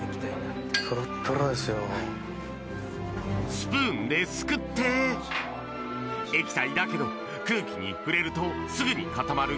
スプーンですくって液体だけど空気に触れるとすぐに固まる